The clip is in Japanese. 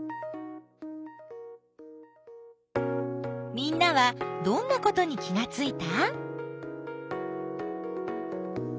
みんなはどんなことに気がついた？